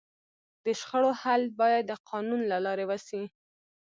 د شخړو حل باید د قانون له لارې وسي.